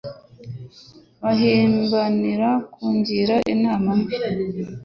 Bahirimbanira kunguka inama mbi